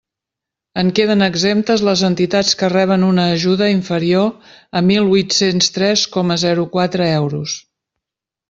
En queden exemptes les entitats que reben una ajuda inferior a mil huit-cents tres coma zero quatre euros.